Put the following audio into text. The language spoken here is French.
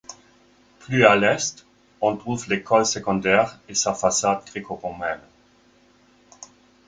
Plus à l'est, on trouve l'école secondaire et sa façade gréco-romaine.